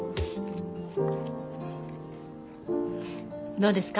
どうですか？